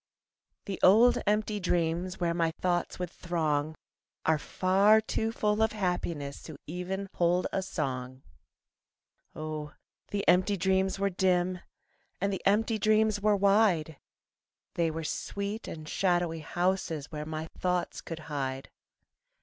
The old empty dreams Where my thoughts would throng Are far too full of happiness To even hold a song. Oh, the empty dreams were dim And the empty dreams were wide, They were sweet and shadowy houses Where my thoughts could hide.